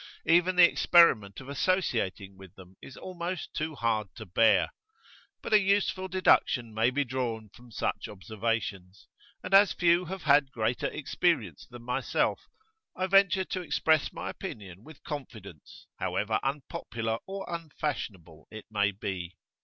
Even the experiment of associating with them is almost too hard to bear. But a useful deduction may be drawn from such observations; and as few have had greater experience than myself, I venture to express my opinion with confidence, however unpopular or unfashionable it may be.